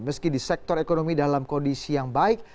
meski di sektor ekonomi dalam kondisi yang baik